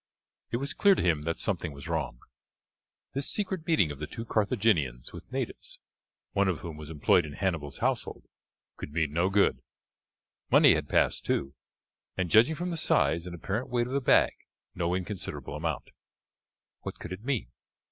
It was clear to him that something was wrong. This secret meeting of the two Carthaginians with natives, one of whom was employed in Hannibal's household, could mean no good. Money had passed, too, and, judging from the size and apparent weight of the bag, no inconsiderable amount. What could it mean?